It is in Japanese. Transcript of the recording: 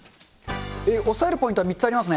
押さえるポイントは３つありますね。